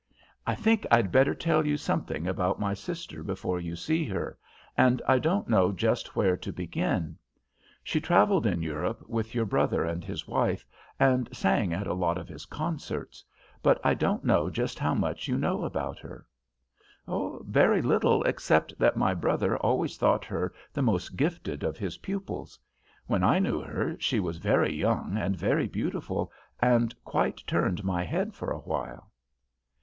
"I think I'd better tell you something about my sister before you see her, and I don't know just where to begin. She travelled in Europe with your brother and his wife, and sang at a lot of his concerts; but I don't know just how much you know about her." "Very little, except that my brother always thought her the most gifted of his pupils. When I knew her she was very young and very beautiful, and quite turned my head for a while."